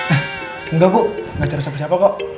eh enggak bu gak cari siapa siapa kok